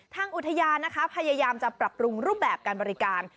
ทางอุทยานนะคะพยายามจะปรับปรุงรูปแบบการบริการ